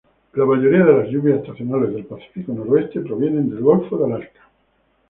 La mayoría de las lluvias estacionales del Pacífico Noroeste provienen del golfo de Alaska.